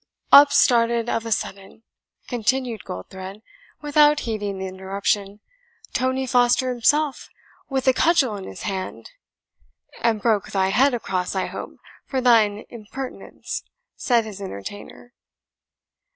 "Up started of a sudden," continued Goldthred, without heeding the interruption, "Tony Foster himself, with a cudgel in his hand " "And broke thy head across, I hope, for thine impertinence," said his entertainer.